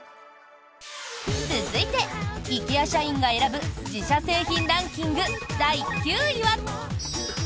続いて、ＩＫＥＡ社員が選ぶ自社製品ランキング第９位は。